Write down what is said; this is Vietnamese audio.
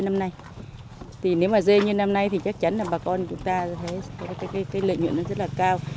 nếu mà dê như năm nay thì chắc chắn là bà con chúng ta sẽ có lợi nhuận rất là cao